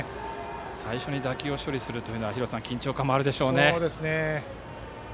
最初に打球を処理するのは緊張感もあるでしょうね。